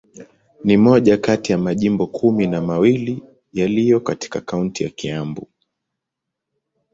Ni moja kati ya majimbo kumi na mawili yaliyo katika kaunti ya Kiambu.